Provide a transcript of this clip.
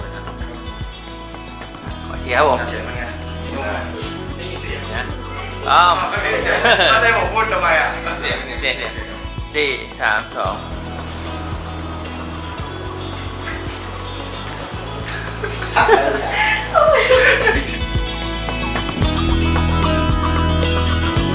แทนนุ้นครับขอเทียบครับผมมันไงไม่มีเสียงนะพร้อมไม่มี